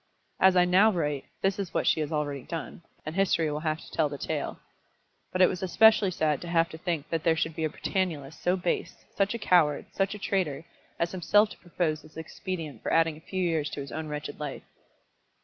As I now write, this is what she has already done, and history will have to tell the story. But it was especially sad to have to think that there should be a Britannulist so base, such a coward, such a traitor, as himself to propose this expedient for adding a few years to his own wretched life.